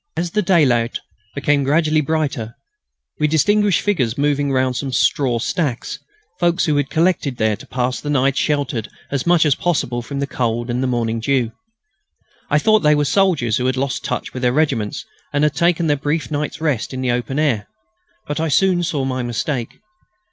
As the daylight became gradually brighter we distinguished figures moving round some straw stacks folks who had collected there to pass the night sheltered as much as possible from the cold and the morning dew. I thought they were soldiers who had lost touch with their regiments and had taken their brief night's rest in the open air. But I soon saw my mistake.